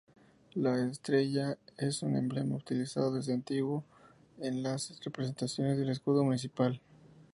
La estrella es un emblema utilizado desde antiguo en las representaciones del escudo municipal.